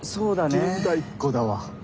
現代っ子だわ。